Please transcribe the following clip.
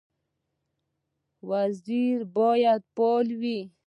وزیر باید فعال وي